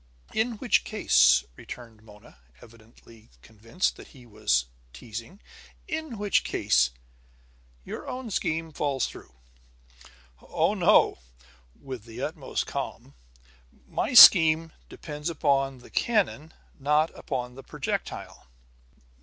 "In which case," returned Mona, evidently convinced that he was teasing, "in which case, your own scheme falls through!" "Oh, no," with the utmost calm. "My scheme depends upon the cannon, not upon the projectile."